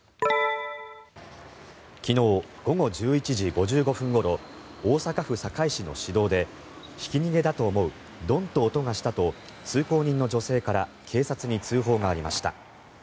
昨日午後１１時５５分ごろ大阪府堺市の市道でひき逃げだと思うドンと音がしたと通行人の女性から警察に通報がありました。